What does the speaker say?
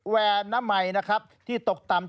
แวร์น้ำใหม่นะครับที่ตกต่ำ